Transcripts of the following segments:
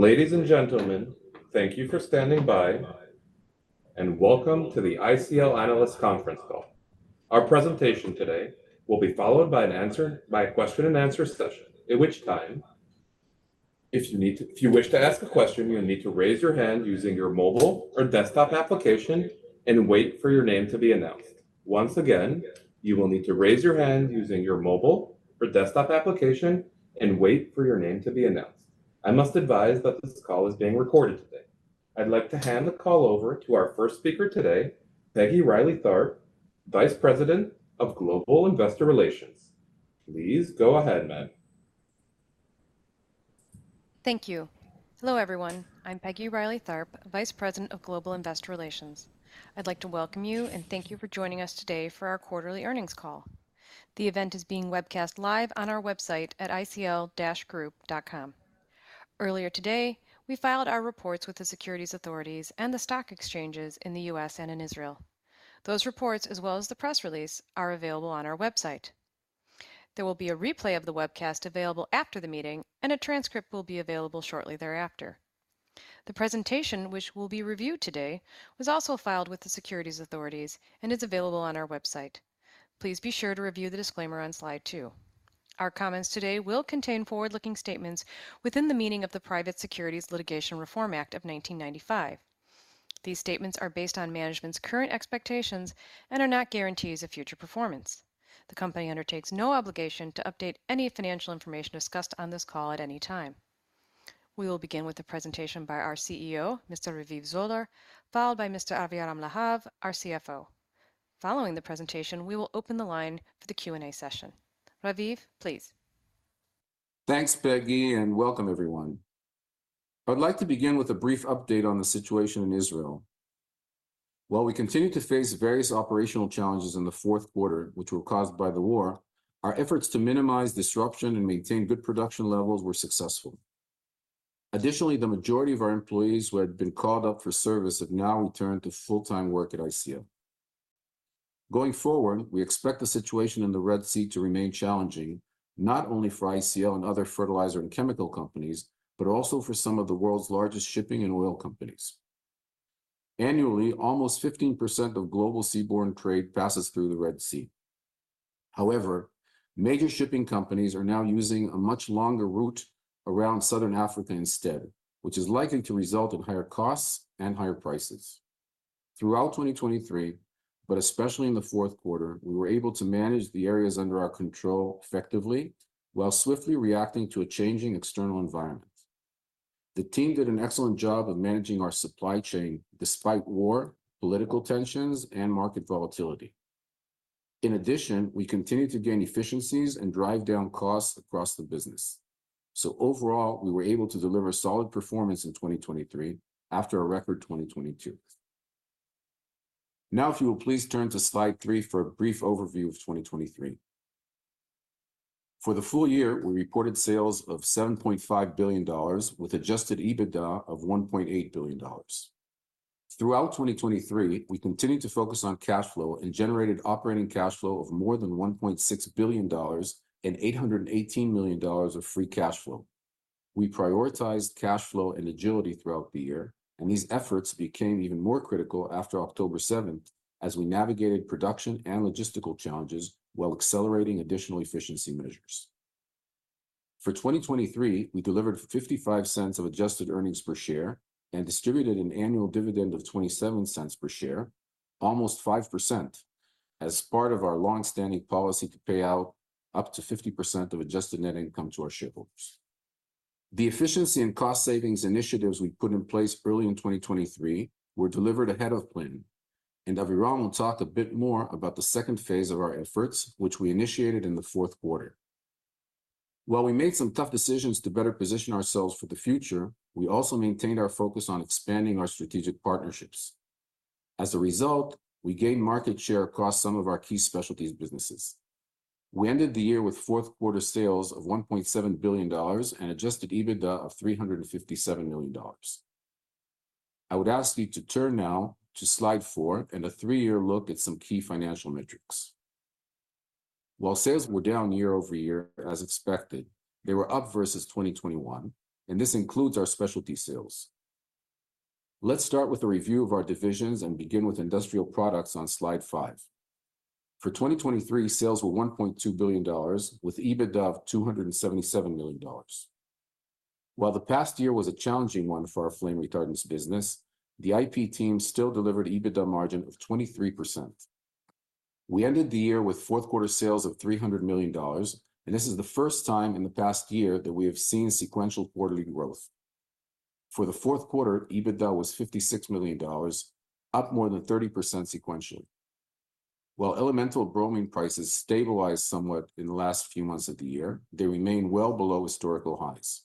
Ladies and gentlemen, thank you for standing by, and welcome to the ICL Analysts Conference Call. Our presentation today will be followed by a question-and-answer session, at which time, if you wish to ask a question, you will need to raise your hand using your mobile or desktop application and wait for your name to be announced. Once again, you will need to raise your hand using your mobile or desktop application and wait for your name to be announced. I must advise that this call is being recorded today. I'd like to hand the call over to our first speaker today, Peggy Reilly Tharp, Vice President of Global Investor Relations. Please go ahead, ma'am. Thank you. Hello, everyone. I'm Peggy Reilly Tharp, Vice President, Global Investor Relations. I'd like to welcome you, and thank you for joining us today for our quarterly earnings call. The event is being webcast live on our website at icl-group.com. Earlier today, we filed our reports with the securities authorities and the stock exchanges in the U.S. and in Israel. Those reports, as well as the press release, are available on our website. There will be a replay of the webcast available after the meeting, and a transcript will be available shortly thereafter. The presentation, which will be reviewed today, was also filed with the securities authorities and is available on our website. Please be sure to review the disclaimer on Slide 2. Our comments today will contain forward-looking statements within the meaning of the Private Securities Litigation Reform Act of 1995. These statements are based on management's current expectations and are not guarantees of future performance. The company undertakes no obligation to update any financial information discussed on this call at any time. We will begin with a presentation by our CEO, Mr. Raviv Zoller, followed by Mr. Aviram Lahav, our CFO. Following the presentation, we will open the line for the Q&A session. Raviv, please. Thanks, Peggy, and welcome everyone. I'd like to begin with a brief update on the situation in Israel. While we continued to face various operational challenges in the fourth quarter, which were caused by the war, our efforts to minimize disruption and maintain good production levels were successful. Additionally, the majority of our employees who had been called up for service have now returned to full-time work at ICL. Going forward, we expect the situation in the Red Sea to remain challenging, not only for ICL and other fertilizer and chemical companies, but also for some of the world's largest shipping and oil companies. Annually, almost 15% of global seaborne trade passes through the Red Sea. However, major shipping companies are now using a much longer route around Southern Africa instead, which is likely to result in higher costs and higher prices. Throughout 2023, but especially in the fourth quarter, we were able to manage the areas under our control effectively while swiftly reacting to a changing external environment. The team did an excellent job of managing our supply chain despite war, political tensions, and market volatility. In addition, we continued to gain efficiencies and drive down costs across the business. So overall, we were able to deliver solid performance in 2023 after a record 2022. Now, if you will please turn to Slide 3 for a brief overview of 2023. For the full year, we reported sales of $7.5 billion with adjusted EBITDA of $1.8 billion. Throughout 2023, we continued to focus on cash flow and generated operating cash flow of more than $1.6 billion and $818 million of free cash flow. We prioritized cash flow and agility throughout the year, and these efforts became even more critical after October seventh, as we navigated production and logistical challenges while accelerating additional efficiency measures. For 2023, we delivered $0.55 of adjusted earnings per share and distributed an annual dividend of $0.27 per share, almost 5%, as part of our long-standing policy to pay out up to 50% of adjusted net income to our shareholders. The efficiency and cost savings initiatives we put in place early in 2023 were delivered ahead of plan, and Aviram will talk a bit more about the second phase of our efforts, which we initiated in the fourth quarter. While we made some tough decisions to better position ourselves for the future, we also maintained our focus on expanding our strategic partnerships. As a result, we gained market share across some of our key specialties businesses. We ended the year with fourth quarter sales of $1.7 billion and adjusted EBITDA of $357 million. I would ask you to turn now to Slide 4 and a 3-year look at some key financial metrics. While sales were down year-over-year, as expected, they were up versus 2021, and this includes our specialty sales. Let's start with a review of our divisions and begin with Industrial Products on Slide 5. For 2023, sales were $1.2 billion, with EBITDA of $277 million. While the past year was a challenging one for our flame retardants business, the IP team still delivered EBITDA margin of 23%. We ended the year with fourth quarter sales of $300 million, and this is the first time in the past year that we have seen sequential quarterly growth. For the fourth quarter, EBITDA was $56 million, up more than 30% sequentially. While elemental bromine prices stabilized somewhat in the last few months of the year, they remain well below historical highs.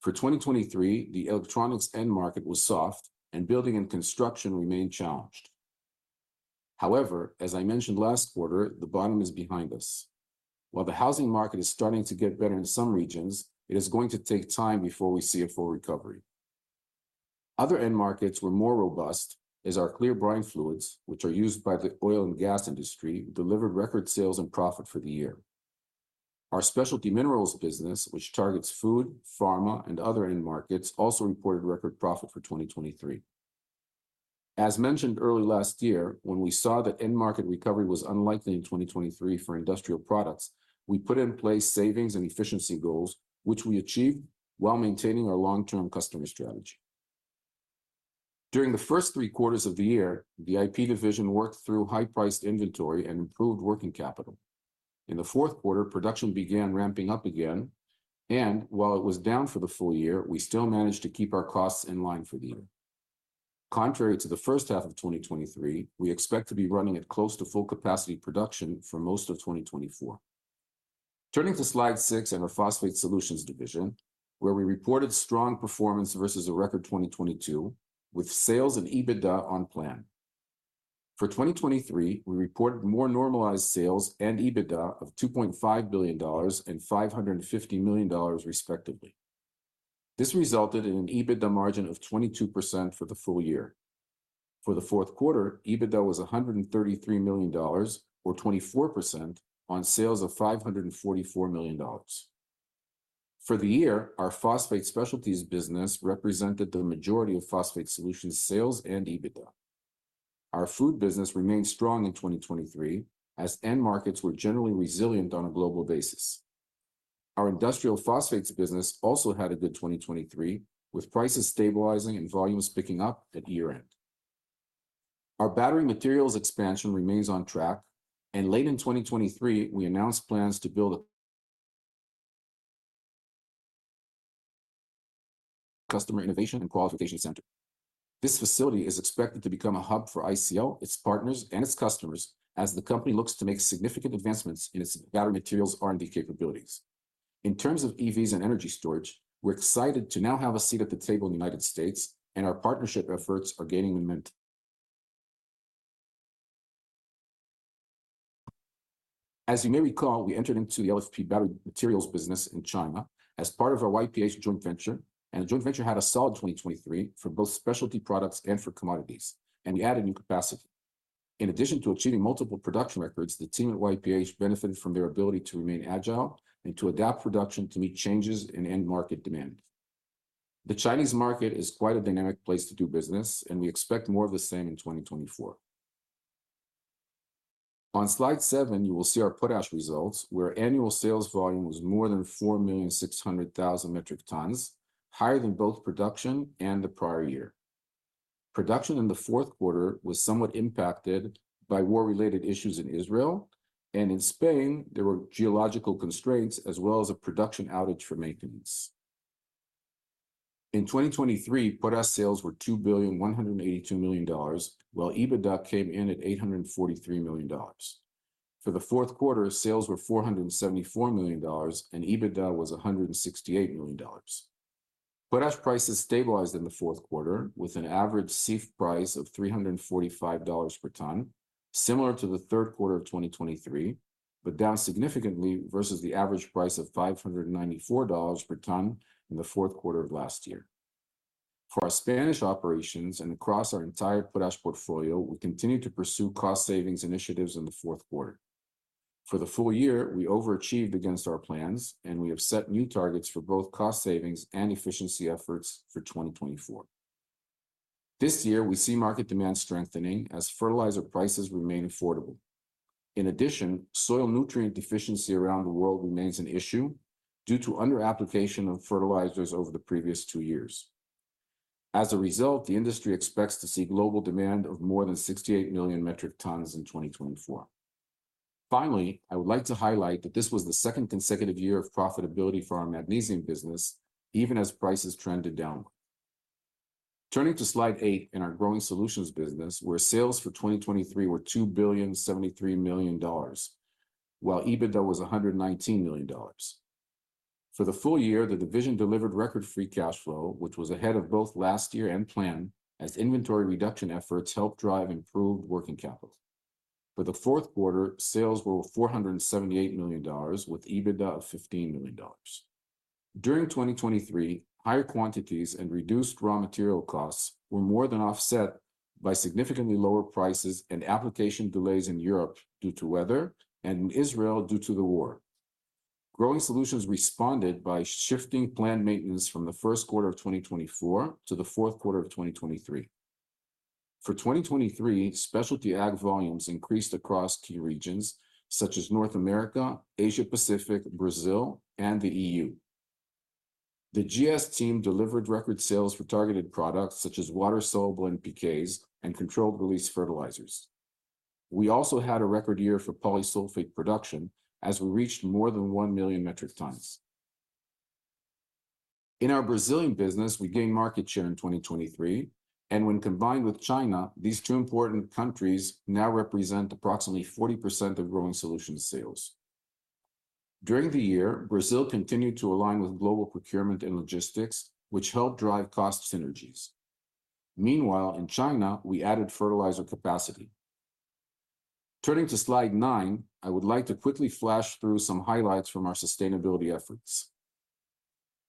For 2023, the electronics end market was soft, and building and construction remained challenged. However, as I mentioned last quarter, the bottom is behind us. While the housing market is starting to get better in some regions, it is going to take time before we see a full recovery. Other end markets were more robust, as our Clear Brine Fluids, which are used by the oil and gas industry, delivered record sales and profit for the year. Our specialty minerals business, which targets food, pharma, and other end markets, also reported record profit for 2023. As mentioned early last year, when we saw that end market recovery was unlikely in 2023 for industrial products, we put in place savings and efficiency goals, which we achieved while maintaining our long-term customer strategy. During the first three quarters of the year, the IP division worked through high-priced inventory and improved working capital. In the fourth quarter, production began ramping up again, and while it was down for the full year, we still managed to keep our costs in line for the year. Contrary to the first half of 2023, we expect to be running at close to full capacity production for most of 2024. Turning to Slide 6 and our Phosphate Solutions division, where we reported strong performance versus a record 2022, with sales and EBITDA on plan. For 2023, we reported more normalized sales and EBITDA of $2.5 billion and $550 million, respectively. This resulted in an EBITDA margin of 22% for the full year. For the fourth quarter, EBITDA was $133 million or 24% on sales of $544 million. For the year, our phosphate specialties business represented the majority of Phosphate Solutions sales and EBITDA. Our food business remained strong in 2023, as end markets were generally resilient on a global basis. Our industrial phosphates business also had a good 2023, with prices stabilizing and volumes picking up at year-end. Our battery materials expansion remains on track, and late in 2023, we announced plans to build a customer innovation and qualification center. This facility is expected to become a hub for ICL, its partners, and its customers as the company looks to make significant advancements in its battery materials R&D capabilities. In terms of EVs and energy storage, we're excited to now have a seat at the table in the United States, and our partnership efforts are gaining momentum. As you may recall, we entered into the LFP battery materials business in China as part of our YPH joint venture, and the joint venture had a solid 2023 for both specialty products and for commodities, and we added new capacity. In addition to achieving multiple production records, the team at YPH benefited from their ability to remain agile and to adapt production to meet changes in end-market demand. The Chinese market is quite a dynamic place to do business, and we expect more of the same in 2024. On Slide 7, you will see our Potash results, where annual sales volume was more than 4,600,000 metric tons, higher than both production and the prior year. Production in the fourth quarter was somewhat impacted by war-related issues in Israel, and in Spain, there were geological constraints as well as a production outage for maintenance. In 2023, Potash sales were $2.182 billion, while EBITDA came in at $843 million. For the fourth quarter, sales were $474 million, and EBITDA was $168 million. Potash prices stabilized in the fourth quarter, with an average CIF price of $345 per ton, similar to the third quarter of 2023, but down significantly versus the average price of $594 per ton in the fourth quarter of last year. For our Spanish operations and across our entire Potash portfolio, we continued to pursue cost savings initiatives in the fourth quarter. For the full year, we overachieved against our plans, and we have set new targets for both cost savings and efficiency efforts for 2024. This year, we see market demand strengthening as fertilizer prices remain affordable. In addition, soil nutrient deficiency around the world remains an issue due to under application of fertilizers over the previous two years. As a result, the industry expects to see global demand of more than 68 million metric tons in 2024. Finally, I would like to highlight that this was the second consecutive year of profitability for our magnesium business, even as prices trended down. Turning to Slide 8 in our Growing Solutions business, where sales for 2023 were $2.073 billion, while EBITDA was $119 million. For the full year, the division delivered record free cash flow, which was ahead of both last year and plan, as inventory reduction efforts helped drive improved working capital. For the fourth quarter, sales were $478 million, with EBITDA of $15 million. During 2023, higher quantities and reduced raw material costs were more than offset by significantly lower prices and application delays in Europe due to weather and in Israel due to the war. Growing Solutions responded by shifting planned maintenance from the first quarter of 2024 to the fourth quarter of 2023. For 2023, specialty ag volumes increased across key regions such as North America, Asia Pacific, Brazil, and the EU. The GS team delivered record sales for targeted products such as water-soluble and PKs and controlled release fertilizers. We also had a record year for Polysulphate production as we reached more than 1 million metric tons. In our Brazilian business, we gained market share in 2023, and when combined with China, these two important countries now represent approximately 40% of Growing Solutions sales. During the year, Brazil continued to align with global procurement and logistics, which helped drive cost synergies. Meanwhile, in China, we added fertilizer capacity... Turning to Slide 9, I would like to quickly flash through some highlights from our sustainability efforts.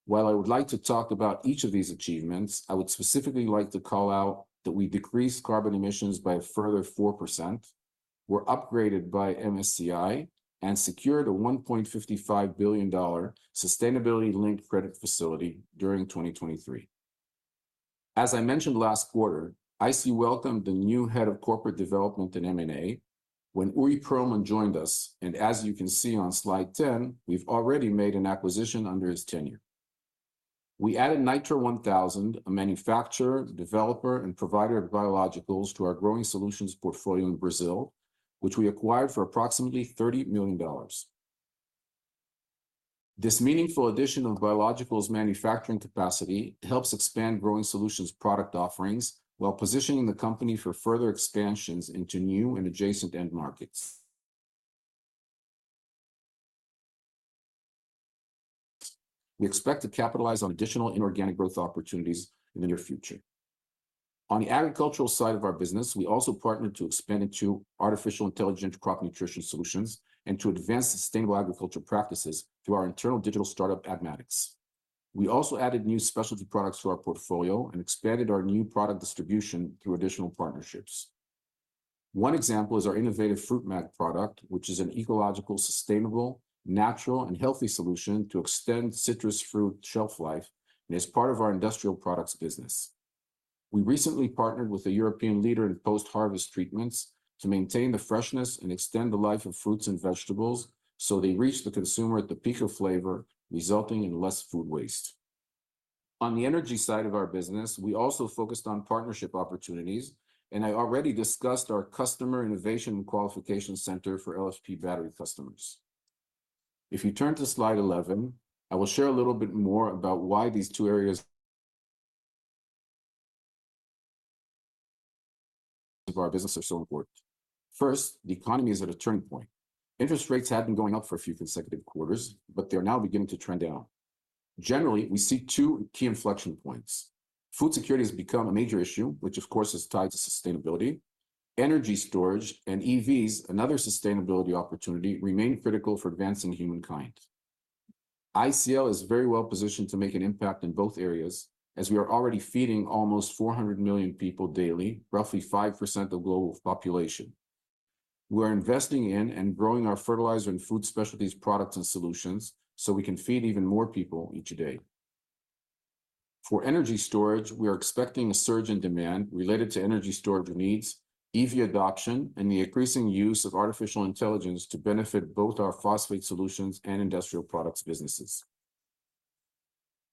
While I would like to talk about each of these achievements, I would specifically like to call out that we decreased carbon emissions by a further 4%, were upgraded by MSCI, and secured a $1.55 billion sustainability-linked credit facility during 2023. As I mentioned last quarter, ICL welcomed the new head of corporate development in M&A when Uri Perlman joined us, and as you can see on Slide 10, we've already made an acquisition under his tenure. We added Nitro 1000, a manufacturer, developer, and provider of biologicals, to our Growing Solutions portfolio in Brazil, which we acquired for approximately $30 million. This meaningful addition of biologicals manufacturing capacity helps expand Growing Solutions product offerings while positioning the company for further expansions into new and adjacent end markets. We expect to capitalize on additional inorganic growth opportunities in the near future. On the agricultural side of our business, we also partnered to expand into artificial intelligence crop nutrition solutions and to advance sustainable agriculture practices through our internal digital startup, Agmatix. We also added new specialty products to our portfolio and expanded our new product distribution through additional partnerships. One example is our innovative FruitMag product, which is an ecological, sustainable, natural, and healthy solution to extend citrus fruit shelf life, and is part of our industrial products business. We recently partnered with a European leader in post-harvest treatments to maintain the freshness and extend the life of fruits and vegetables so they reach the consumer at the peak of flavor, resulting in less food waste. On the energy side of our business, we also focused on partnership opportunities, and I already discussed our customer innovation qualification center for LFP battery customers. If you turn to Slide 11, I will share a little bit more about why these two areas of our business are so important. First, the economy is at a turning point. Interest rates have been going up for a few consecutive quarters, but they're now beginning to trend down. Generally, we see two key inflection points. Food security has become a major issue, which of course, is tied to sustainability. Energy storage and EVs, another sustainability opportunity, remain critical for advancing humankind. ICL is very well positioned to make an impact in both areas, as we are already feeding almost 400 million people daily, roughly 5% of the global population. We are investing in and growing our fertilizer and food specialties products and solutions so we can feed even more people each day. For energy storage, we are expecting a surge in demand related to energy storage needs, EV adoption, and the increasing use of artificial intelligence to benefit both our phosphate solutions and industrial products businesses.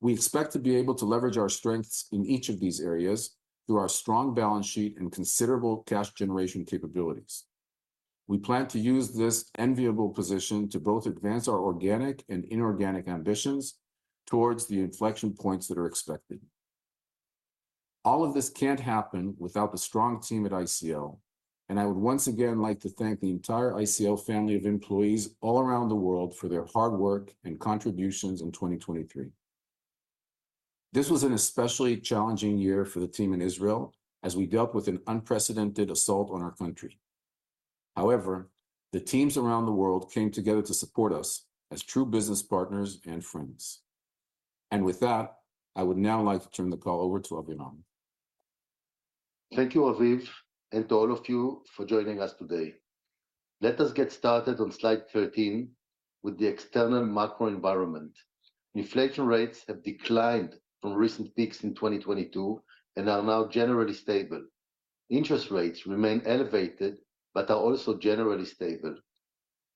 We expect to be able to leverage our strengths in each of these areas through our strong balance sheet and considerable cash generation capabilities. We plan to use this enviable position to both advance our organic and inorganic ambitions towards the inflection points that are expected. All of this can't happen without the strong team at ICL, and I would once again like to thank the entire ICL family of employees all around the world for their hard work and contributions in 2023. This was an especially challenging year for the team in Israel as we dealt with an unprecedented assault on our country. However, the teams around the world came together to support us as true business partners and friends. With that, I would now like to turn the call over to Aviram. Thank you, Raviv, and to all of you for joining us today. Let us get started on Slide 13 with the external macro environment. Inflation rates have declined from recent peaks in 2022 and are now generally stable. Interest rates remain elevated but are also generally stable.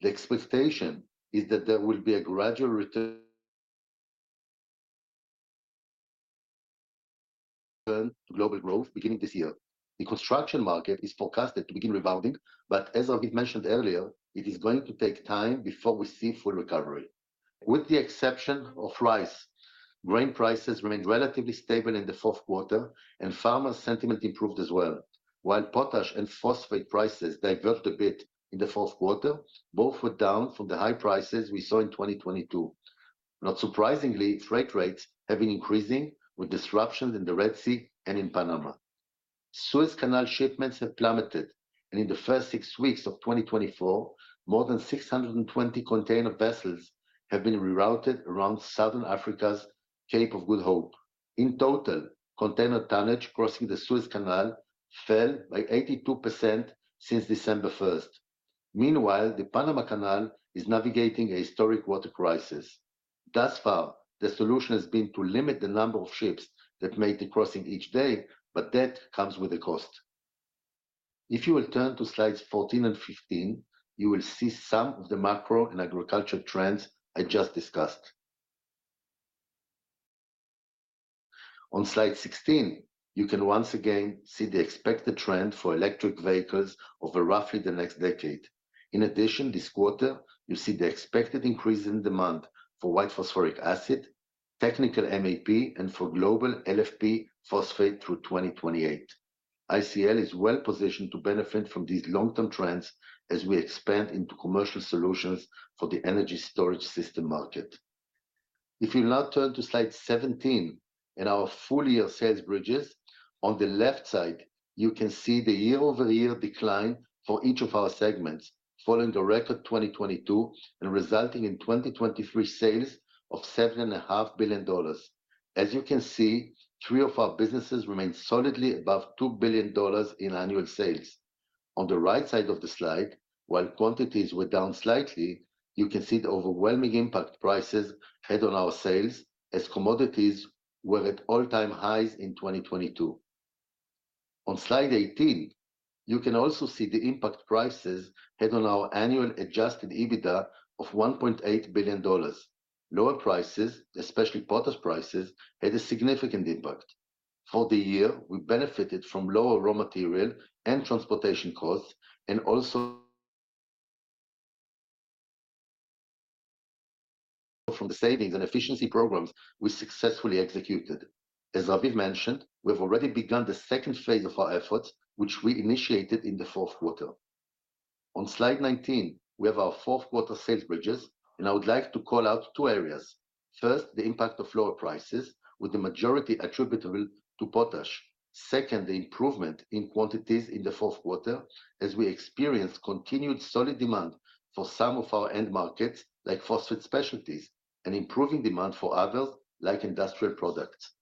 The expectation is that there will be a gradual return to global growth beginning this year. The construction market is forecasted to begin rebounding, but as Raviv mentioned earlier, it is going to take time before we see full recovery. With the exception of rice, grain prices remained relatively stable in the fourth quarter, and farmer sentiment improved as well. While Potash and phosphate prices diverged a bit in the fourth quarter, both were down from the high prices we saw in 2022. Not surprisingly, freight rates have been increasing, with disruptions in the Red Sea and in Panama. Suez Canal shipments have plummeted, and in the first 6 weeks of 2024, more than 620 container vessels have been rerouted around Southern Africa’s Cape of Good Hope. In total, container tonnage crossing the Suez Canal fell by 82% since December 1. Meanwhile, the Panama Canal is navigating a historic water crisis. Thus far, the solution has been to limit the number of ships that make the crossing each day, but that comes with a cost. If you will turn to Slides 14 and 15, you will see some of the macro and agriculture trends I just discussed. On Slide 16, you can once again see the expected trend for electric vehicles over roughly the next decade. In addition, this quarter, you see the expected increase in demand for White Phosphoric Acid, Technical MAP, and for global LFP phosphate through 2028. ICL is well positioned to benefit from these long-term trends as we expand into commercial solutions for the energy storage system market. If you now turn to Slide 17 in our full year sales bridges, on the left side, you can see the year-over-year decline for each of our segments, following the record 2022, and resulting in 2023 sales of $7.5 billion. As you can see, three of our businesses remain solidly above $2 billion in annual sales. On the right side of the Slide, while quantities were down slightly, you can see the overwhelming impact prices had on our sales, as commodities were at all-time highs in 2022. On Slide 18, you can also see the impact prices had on our annual Adjusted EBITDA of $1.8 billion. Lower prices, especially Potash prices, had a significant impact. For the year, we benefited from lower raw material and transportation costs, and also from the savings and efficiency programs we successfully executed. As Raviv mentioned, we've already begun the second phase of our efforts, which we initiated in the fourth quarter. On Slide 19, we have our fourth quarter sales bridges, and I would like to call out two areas. First, the impact of lower prices, with the majority attributable to Potash. Second, the improvement in quantities in the fourth quarter, as we experienced continued solid demand for some of our end markets, like phosphate specialties, and improving demand for others, like industrial products.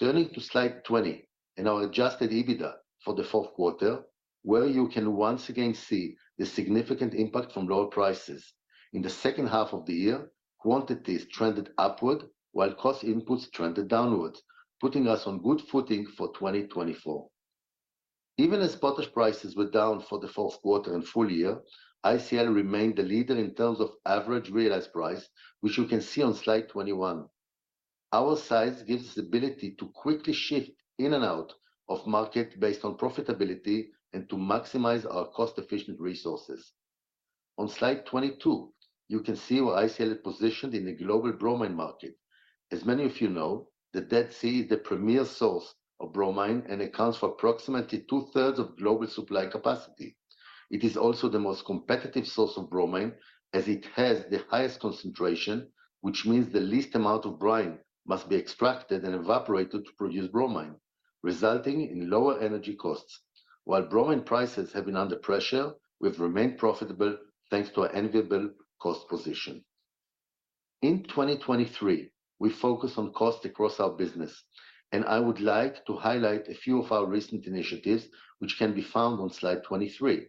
Turning to Slide 20, in our Adjusted EBITDA for the fourth quarter, where you can once again see the significant impact from lower prices. In the second half of the year, quantities trended upward, while cost inputs trended downward, putting us on good footing for 2024. Even as Potash prices were down for the fourth quarter and full year, ICL remained the leader in terms of average realized price, which you can see on Slide 21. Our size gives us the ability to quickly shift in and out of market based on profitability and to maximize our cost-efficient resources. On Slide 22, you can see where ICL is positioned in the global bromine market. As many of you know, the Dead Sea is the premier source of bromine, and accounts for approximately two-thirds of global supply capacity. It is also the most competitive source of bromine, as it has the highest concentration, which means the least amount of brine must be extracted and evaporated to produce bromine, resulting in lower energy costs. While bromine prices have been under pressure, we've remained profitable, thanks to our enviable cost position. In 2023, we focused on cost across our business, and I would like to highlight a few of our recent initiatives, which can be found on Slide 23.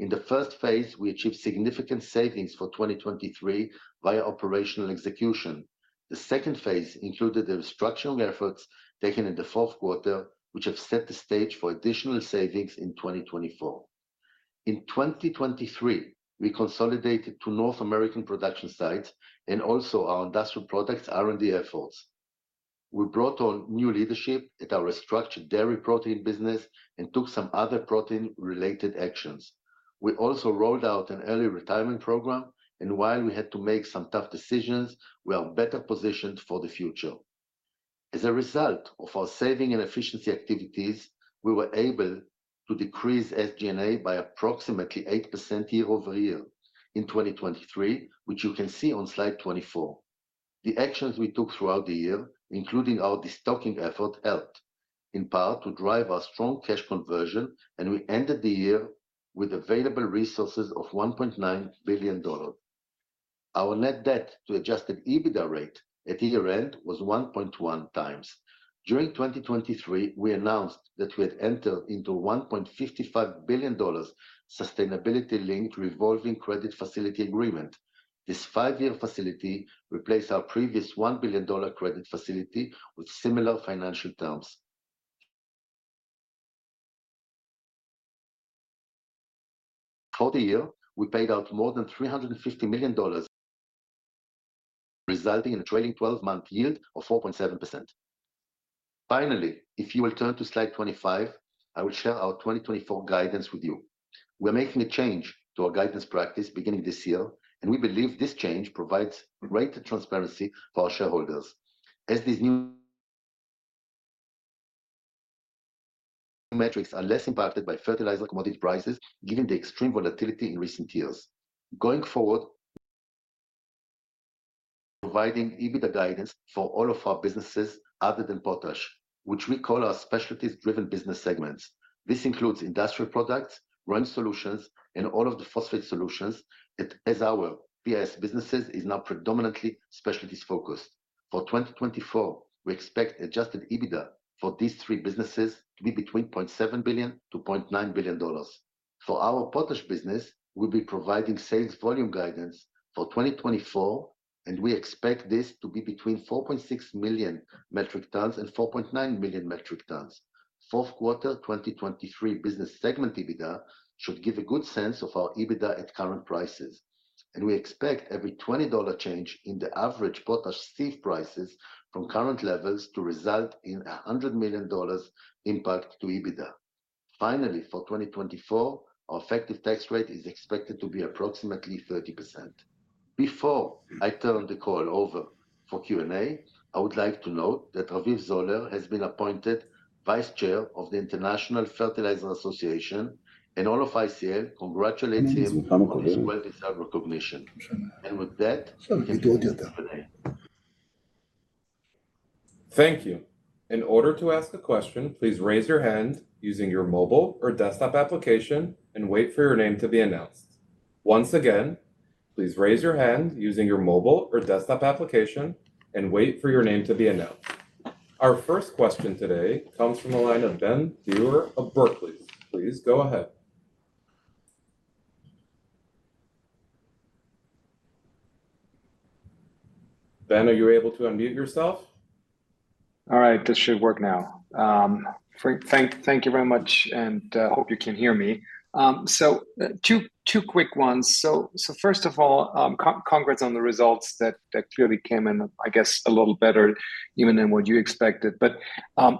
In the first phase, we achieved significant savings for 2023 via operational execution. The second phase included the structural efforts taken in the fourth quarter, which have set the stage for additional savings in 2024. In 2023, we consolidated two North American production sites and also our Industrial Products R&D efforts. We brought on new leadership at our restructured dairy protein business and took some other protein-related actions. We also rolled out an early retirement program, and while we had to make some tough decisions, we are better positioned for the future. As a result of our saving and efficiency activities, we were able to decrease SG&A by approximately 8% year-over-year in 2023, which you can see on Slide 24. The actions we took throughout the year, including our destocking effort, helped in part to drive our strong cash conversion, and we ended the year with available resources of $1.9 billion. Our net debt to adjusted EBITDA rate at year-end was 1.1 times. During 2023, we announced that we had entered into $1.55 billion sustainability-linked revolving credit facility agreement. This five-year facility replaced our previous $1 billion credit facility with similar financial terms. For the year, we paid out more than $350 million, resulting in a trailing twelve-month yield of 4.7%. Finally, if you will turn to Slide 25, I will share our 2024 guidance with you. We are making a change to our guidance practice beginning this year, and we believe this change provides greater transparency for our shareholders. As these new metrics are less impacted by fertilizer commodity prices, given the extreme volatility in recent years. Going forward, providing EBITDA guidance for all of our businesses other than Potash, which we call our specialties-driven business segments. This includes Industrial Products, Brine Solutions, and all of the Phosphate Solutions, as our PS businesses is now predominantly specialties-focused. For 2024, we expect adjusted EBITDA for these three businesses to be between $0.7 billion-$0.9 billion. For our Potash business, we'll be providing sales volume guidance for 2024, and we expect this to be between 4.6 million metric tons and 4.9 million metric tons. Fourth quarter 2023 business segment EBITDA should give a good sense of our EBITDA at current prices, and we expect every $20 change in the average Potash CIF prices from current levels to result in a $100 million impact to EBITDA. Finally, for 2024, our effective tax rate is expected to be approximately 30%. Before I turn the call over for Q&A, I would like to note that Raviv Zoller has been appointed Vice Chair of the International Fertilizer Association, and all of ICL congratulates him on his well-deserved recognition. And with that, I give you over to the operator. Thank you. In order to ask a question, please raise your hand using your mobile or desktop application and wait for your name to be announced. Once again, please raise your hand using your mobile or desktop application and wait for your name to be announced. Our first question today comes from the line of Ben Theurer of Barclays. Please go ahead. Ben, are you able to unmute yourself? All right, this should work now. Thank you very much, and hope you can hear me. So, two quick ones. So first of all, congrats on the results that clearly came in, I guess, a little better even than what you expected. But,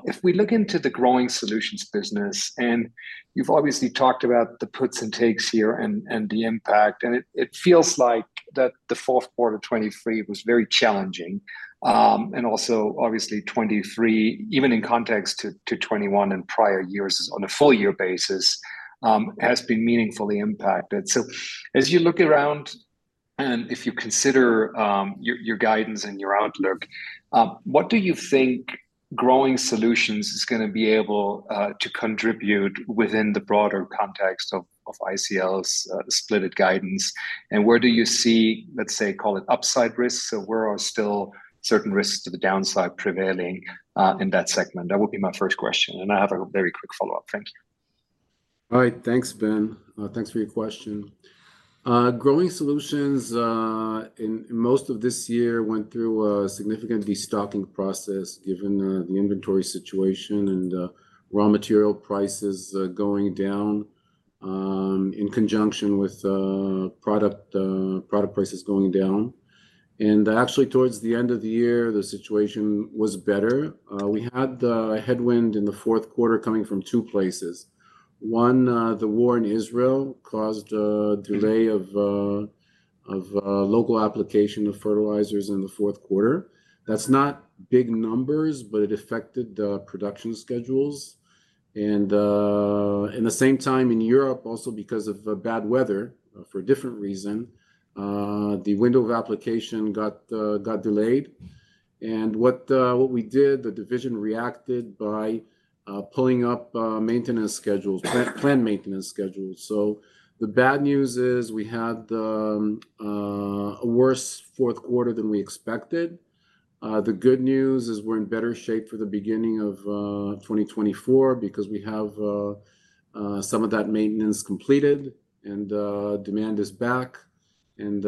if we look into the growing solutions business, and you've obviously talked about the puts and takes here and the impact, and it feels like that the fourth quarter 2023 was very challenging. And also obviously 2023, even in context to 2021 and prior years on a full year basis, has been meaningfully impacted. So as you look around and if you consider your guidance and your outlook, what do you think Growing Solutions is gonna be able to contribute within the broader context of ICL's splitted guidance? And where do you see, let's say, call it upside risks, so where are still certain risks to the downside prevailing in that segment? That would be my first question, and I have a very quick follow-up. Thank you. All right. Thanks, Ben. Thanks for your question. Growing Solutions, in most of this year, went through a significant destocking process, given the inventory situation and raw material prices going down, in conjunction with product prices going down. And actually, towards the end of the year, the situation was better. We had a headwind in the fourth quarter coming from two places. One, the war in Israel caused a delay of local application of fertilizers in the fourth quarter. That's not big numbers, but it affected the production schedules. And in the same time, in Europe, also because of bad weather, for a different reason, the window of application got delayed. And what, what we did, the division reacted by pulling up maintenance schedules, planned maintenance schedules. So the bad news is we had a worse fourth quarter than we expected. The good news is we're in better shape for the beginning of 2024 because we have some of that maintenance completed and demand is back, and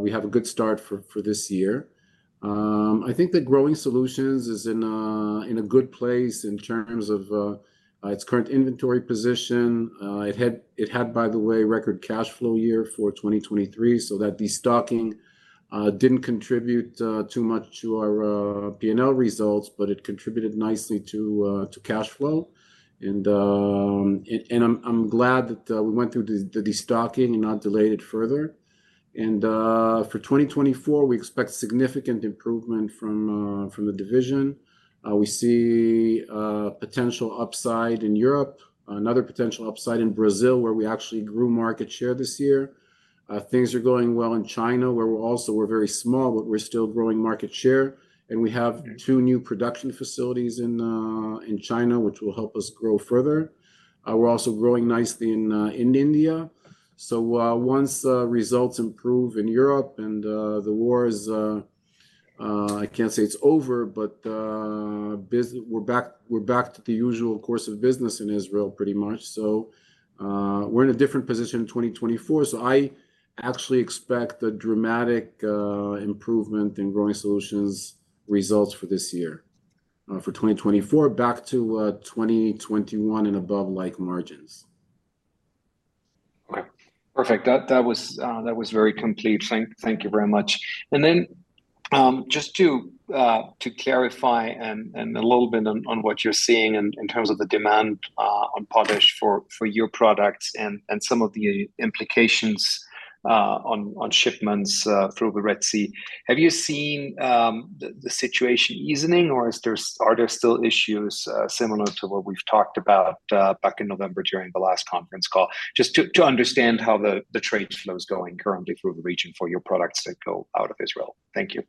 we have a good start for this year. I think that Growing Solutions is in a good place in terms of its current inventory position. It had, by the way, record cash flow year for 2023, so that destocking didn't contribute too much to our P&L results, but it contributed nicely to cash flow. And I'm glad that we went through the destocking and not delayed it further. And for 2024, we expect significant improvement from the division. We see a potential upside in Europe, another potential upside in Brazil, where we actually grew market share this year. Things are going well in China, where we're very small, but we're still growing market share, and we have two new production facilities in China, which will help us grow further. We're also growing nicely in India. So once the results improve in Europe and the war is... I can't say it's over, but we're back, we're back to the usual course of business in Israel, pretty much. We're in a different position in 2024, so I actually expect a dramatic improvement in Growing Solutions results for this year, for 2024, back to 2021 and above-like margins. Right. Perfect. That was very complete. Thank you very much. And then, just to clarify and a little bit on what you're seeing in terms of the demand on Potash for your products and some of the implications on shipments through the Red Sea, have you seen the situation easing, or are there still issues similar to what we've talked about back in November during the last conference call? Just to understand how the trade flow is going currently through the region for your products that go out of Israel. Thank you.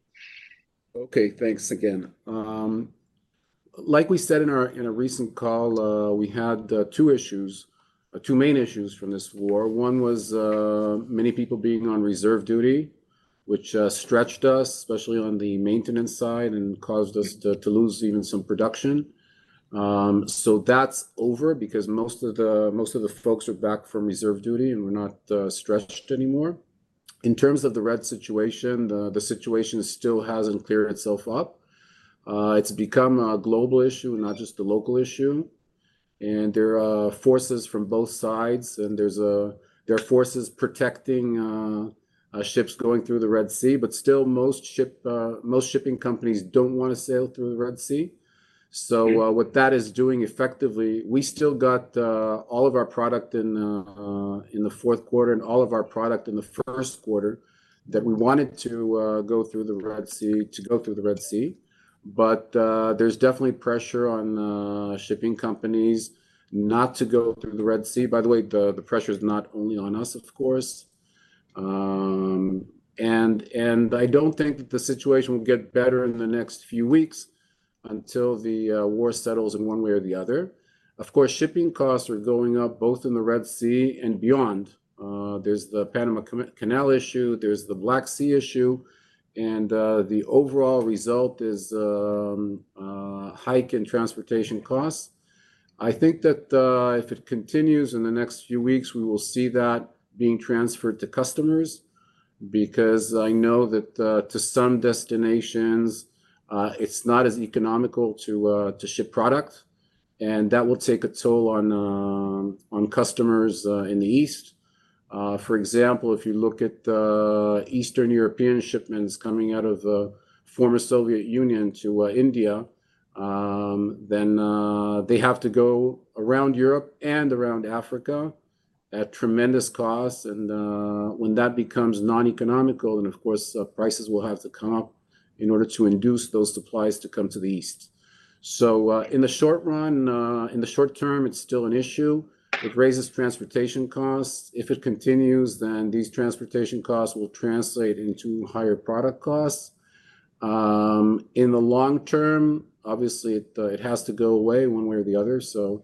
Okay, thanks again. Like we said in a recent call, we had two issues, two main issues from this war. One was many people being on reserve duty, which stretched us, especially on the maintenance side, and caused us to lose even some production. So that's over because most of the folks are back from reserve duty, and we're not stretched anymore. In terms of the Red Sea situation, the situation still hasn't cleared itself up. It's become a global issue, not just a local issue, and there are forces from both sides, and there are forces protecting ships going through the Red Sea, but still most shipping companies don't wanna sail through the Red Sea. what that is doing effectively, we still got all of our product in the fourth quarter and all of our product in the first quarter that we wanted to go through the Red Sea, to go through the Red Sea. But there's definitely pressure on shipping companies not to go through the Red Sea. By the way, the pressure is not only on us, of course, and I don't think that the situation will get better in the next few weeks until the war settles in one way or the other. Of course, shipping costs are going up both in the Red Sea and beyond. There's the Panama Canal issue, there's the Black Sea issue, and the overall result is hike in transportation costs. I think that, if it continues in the next few weeks, we will see that being transferred to customers, because I know that, to some destinations, it's not as economical to ship product, and that will take a toll on customers in the East. For example, if you look at the Eastern European shipments coming out of the former Soviet Union to India, then they have to go around Europe and around Africa at tremendous cost. And when that becomes non-economical, then, of course, prices will have to come up in order to induce those supplies to come to the East. So, in the short run, in the short term, it's still an issue. It raises transportation costs. If it continues, then these transportation costs will translate into higher product costs. In the long term, obviously, it has to go away one way or the other, so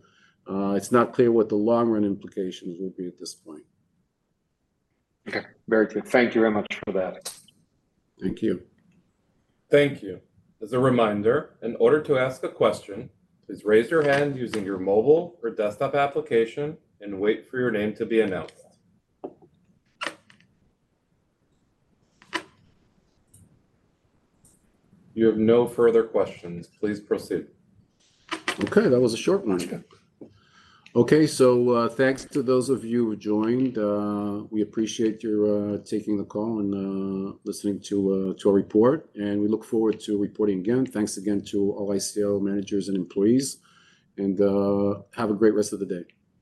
it's not clear what the long-run implications will be at this point. Okay, very good. Thank you very much for that. Thank you. Thank you. As a reminder, in order to ask a question, please raise your hand using your mobile or desktop application and wait for your name to be announced. You have no further questions. Please proceed. Okay, that was a short one. Okay. Okay, thanks to those of you who joined. We appreciate your taking the call and listening to our report, and we look forward to reporting again. Thanks again to all ICL managers and employees, and have a great rest of the day.